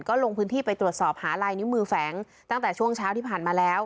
ก็ลงพื้นที่ไปตรวจสอบหาลายนิ้วมือแฝงตั้งแต่ช่วงเช้าที่ผ่านมาแล้ว